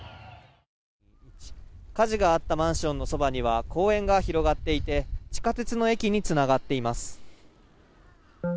火事があったマンションのそばには公園が広がっていて地下鉄の駅につながっています。